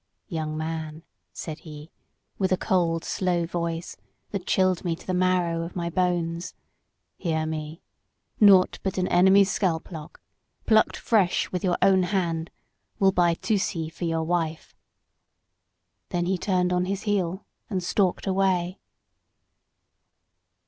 "'Young man,' said he, with a cold, slow voice that chilled me to the marrow of my bones, 'hear me. Naught but an enemy's scalp lock, plucked fresh with your own hand, will buy Tusee for your wife,' Then he turned on his heel and stalked away."